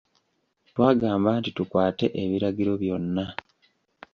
Twagamba nti tukwate ebiragiro byonna.